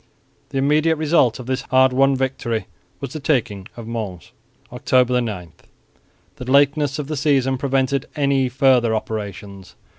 The immediate result of this hard won victory was the taking of Mons, October 9. The lateness of the season prevented any further operations.